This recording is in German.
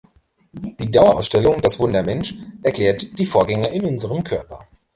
Die Dauerausstellung "Das Wunder Mensch" erklärt die Vorgänge in unserem Körper.